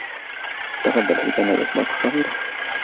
تتغذى الحيتان على الأسماك الصغيرة.